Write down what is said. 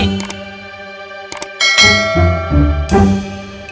tidak ada yang ngomong